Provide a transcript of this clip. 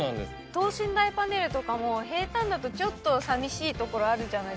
等身大パネルとかも平たんだとちょっと寂しいところあるじゃないですか。